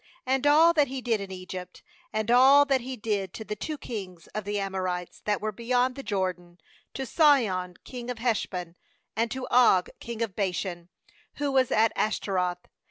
and all that He did in Egypt, 10and all that He did to the two kings of the Amorites, that were beyond the Jordan, to Sihon king of Heshbon, and to Og king of Bashan, who was at Ashtaroth.